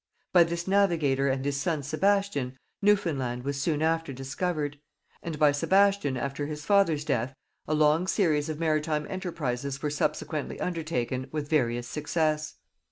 By this navigator and his son Sebastian, Newfoundland was soon after discovered; and by Sebastian after his father's death a long series of maritime enterprises were subsequently undertaken with various success.